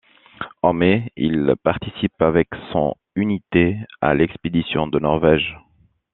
En mai-, il participe avec son unité à l'expédition de Norvège.